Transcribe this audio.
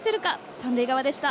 三塁側でした。